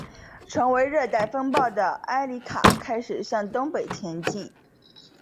成为热带风暴的埃里卡开始向东北前进。